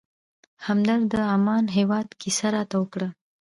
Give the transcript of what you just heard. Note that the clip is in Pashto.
همدرد د عمان هېواد کیسه راته وکړه.